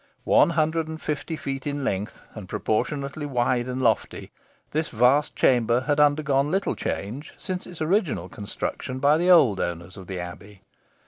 One hundred and fifty feet in length, and proportionately wide and lofty, this vast chamber had undergone little change since its original construction by the old owners of the Abbey.